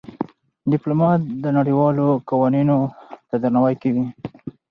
ډيپلومات نړېوالو قوانينو ته درناوی کوي.